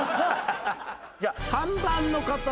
じゃあ３番の方。